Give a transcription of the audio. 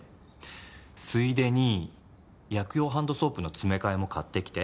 ついでに薬用ハンドソープの詰め替えも買ってきて。